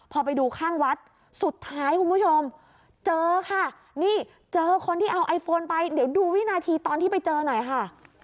พอไปดูข้างวัดสุดท้ายคุณผู้ชมเจอค่ะนี่เจอคนที่เอาไอโฟนไปเดี๋ยวดูวินาทีตอนที่ไปเจอหน่อยค่ะ